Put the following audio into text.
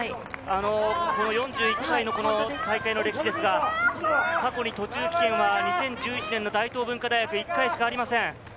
４１回の大会の歴史ですが、過去に途中棄権は２０１１年の大東文化大学、１回しかありません。